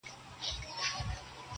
ما به ولي کاروانونه لوټولاى!!